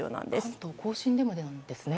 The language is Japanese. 関東・甲信でもなんですね。